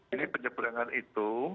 jadi penyeberangan itu